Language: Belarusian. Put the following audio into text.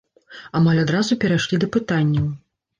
Амаль адразу перайшлі да пытанняў.